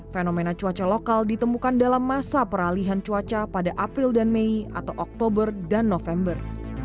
fenomena cuaca lokal ditemukan dalam masa peralihan cuaca pada april dan mei atau oktober dan november